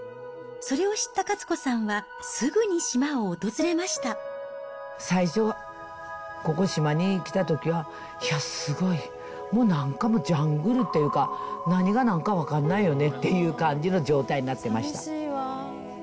それを知った和子さんは、最初はここ、島に来たときは、いや、すごい、もうなんかジャングルというか、何がなんか分かんないよねって感じの状態になってました。